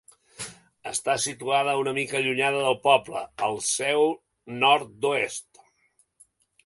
Està situada una mica allunyada del poble, al seu nord-oest.